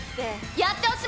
やっておしまい！